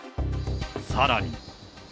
さらに。